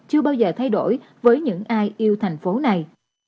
chưa bao giờ thay đổi với những ai yêu thành phố này